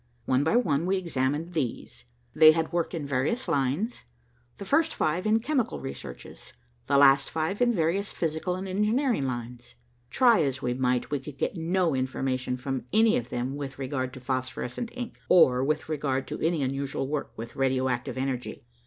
One by one we examined these. They had worked in various lines; the first five in chemical researches; the last five in various physical and engineering lines. Try as we might, we could get no information from any of them with regard to phosphorescent ink, or with regard to any unusual work with radio active energy.